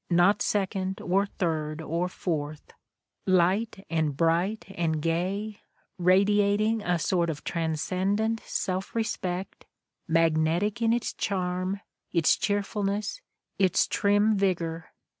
not second, or third, or fourth — light and bright and gay, radiating a sort of transcendent self respect, magnetic in its charm, its cheerfulness, its trim vigor.